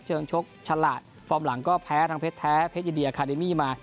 เชิงชกฉลาดฟอร์มหลังก็แพ้ทางเพชรแท้เพชรยินดีอาคาเดมี่มา